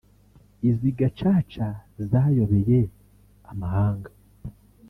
Izi Gacaca zayobeye amahanga